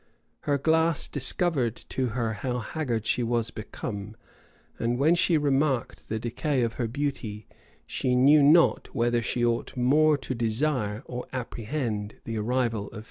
Her glass discovered to her how haggard she was become; and when she remarked the decay of her beauty, she knew not whether she ought more to desire or apprehend the arrival of Philip.